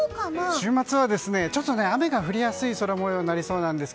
週末は、ちょっと雨が降りやすい空模様になりそうです。